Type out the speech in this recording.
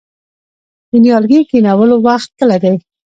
د نیالګي کینولو وخت کله دی؟